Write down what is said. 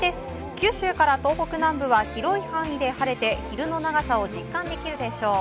九州から東北南部は広い範囲で晴れて昼の長さを実感できるでしょう。